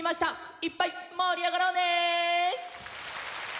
いっぱいもりあがろうね！